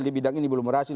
di bidang ini belum berhasil